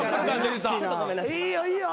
いいよいいよ。